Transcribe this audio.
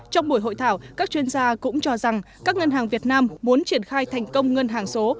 trong buổi hội thảo các chuyên gia cũng cho rằng các ngân hàng việt nam muốn triển khai thành công ngân hàng số